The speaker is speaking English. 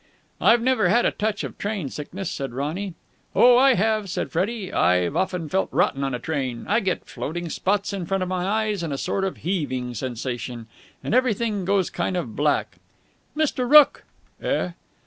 "I've never had a touch of train sickness," said Ronny. "Oh, I have," said Freddie. "I've often felt rotten on a train. I get floating spots in front of my eyes and a sort of heaving sensation, and everything kind of goes black...." "Mr. Rooke!" "Eh?"